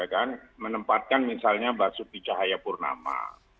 ya kan menempatkan misalnya basuki cahayapurnama